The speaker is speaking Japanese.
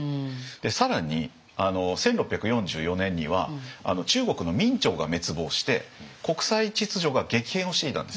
更に１６４４年には中国の明朝が滅亡して国際秩序が激変をしていたんです。